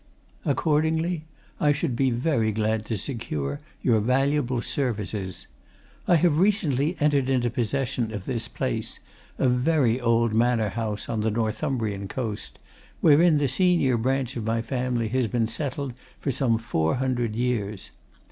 Accordingly, I should be very glad to secure your valuable services. I have recently entered into possession of this place, a very old manor house on the Northumbrian coast, wherein the senior branch of my family has been settled for some four hundred years.